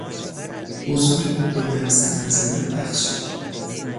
حضور او به مراسم عظمت بخشید.